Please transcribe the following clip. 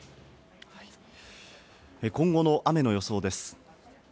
今後の雨の予想です。